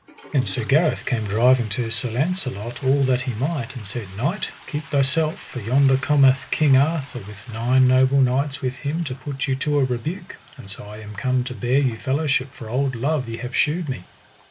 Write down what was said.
Then Sir Gareth came driving to Sir Launcelot all that he might and said: Knight, keep thyself, for yonder cometh King Arthur with nine noble knights with him to put you to a rebuke, and so I am come to bear you fellowship for old love ye have shewed me.